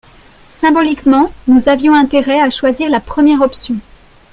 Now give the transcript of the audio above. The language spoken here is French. Symboliquement, nous avions intérêt à choisir la première option.